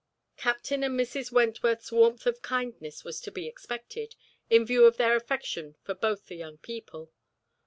Captain and Mrs. Wentworth's warmth of kindness was to be expected, in view of their affection for both the young people.